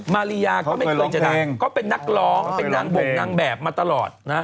มาริยาก็ไม่เคยจะได้ก็เป็นนักร้องเป็นนางบกนางแบบมาตลอดนะ